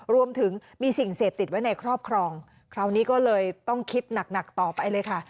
รวมถึงมีสิ่งเสพติดไว้ในครอบครองคราวนี้ก็เลยต้องคิดหนักต่อไปเลยค่ะ